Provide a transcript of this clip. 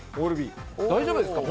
大丈夫ですか？